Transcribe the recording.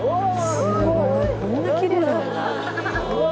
すごい！